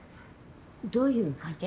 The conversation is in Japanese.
どういう関係？